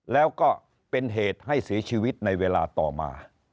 แล้วก็เป็นเหตุให้เสียชีวิตในเวลาต่อมา